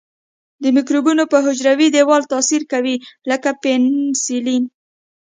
د مکروبونو په حجروي دیوال تاثیر کوي لکه پنسلین.